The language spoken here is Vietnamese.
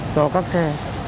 cho các xe